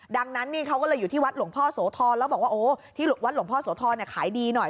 ดังนั้นนี่เขาก็เลยอยู่ที่วัดหลวงพ่อโสธรแล้วบอกว่าโอ้ที่วัดหลวงพ่อโสธรขายดีหน่อย